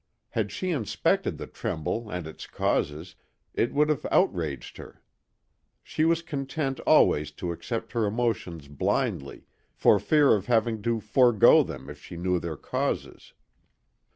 Had she inspected the tremble and its causes, it would have outraged her. She was content always to accept her emotions blindly for fear of having to forego them if she knew their causes.